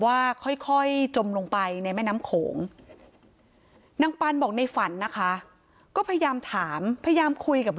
เวลาถึงกว่าที่ไม่ค่อยมารุ่นไว้ประกาศแม่ภาพอีกนับสุดครับ